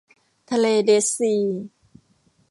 ทะเลเดดซี